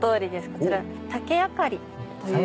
こちら竹あかりという。